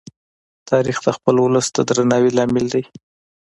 تاریخ د خپل ولس د درناوي لامل دی.